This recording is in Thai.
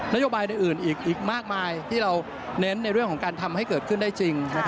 โยบายอื่นอีกมากมายที่เราเน้นในเรื่องของการทำให้เกิดขึ้นได้จริง